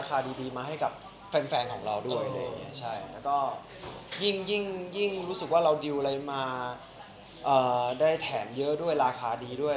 บางสินค้าที่เราใช้ดีเรารู้สึกว่าเราดีลกับจ้าของแบรนด์สินค้าด้วย